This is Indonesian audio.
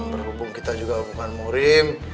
berhubung kita juga hubungan murim